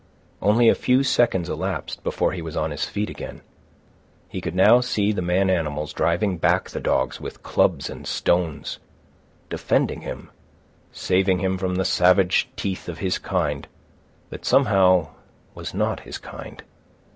Only a few seconds elapsed before he was on his feet again. He could now see the man animals driving back the dogs with clubs and stones, defending him, saving him from the savage teeth of his kind that somehow was not his kind.